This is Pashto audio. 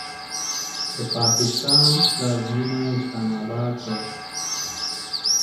د پاکستان پلازمینه اسلام آباد ده.